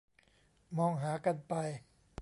มองหากันไป